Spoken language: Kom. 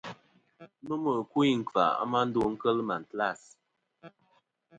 Nomɨ ɨkuyn ;kfà a ma ndo kel màtlas.